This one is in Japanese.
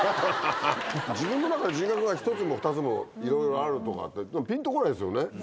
自分の中に人格が１つも２つもいろいろあるとかって、ぴんとこないですよね。